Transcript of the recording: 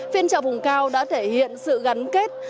phiên chợ vùng cao đã thể hiện sự gắn kết